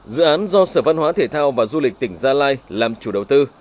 dự án do sở văn hóa thể thao và du lịch tỉnh gia lai làm chủ đầu tư